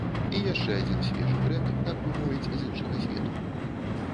І яшчэ адзін свежы трэк, так бы мовіць, з іншага свету.